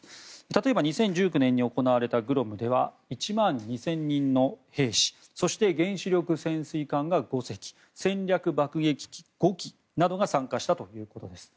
例えば２０１９年に行われたグロムでは１万２０００人の兵士そして原子力潜水艦が５隻戦略爆撃機５機などが参加したということです。